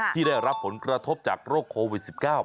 ที่ได้รับผลกระทบจากโรคโควิด๑๙